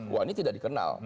wah ini tidak dikenal